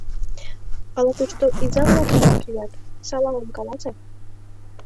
— Ала тушто изам-влакым вашлият, саламым каласе.